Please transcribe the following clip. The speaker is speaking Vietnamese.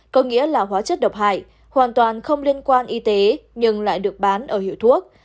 có nghĩa là hóa chất độc hại hoàn toàn không liên quan y tế nhưng lại được bán ở hiệu thuốc